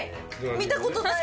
見たことないもん。